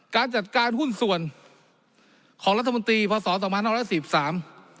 การจัดการหุ้นส่วนของรัฐมนตรีพศสำหรัฐสี่สาม